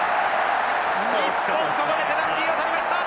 日本ここでペナルティを取りました！